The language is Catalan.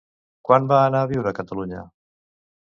Quan va anar a viure a Catalunya?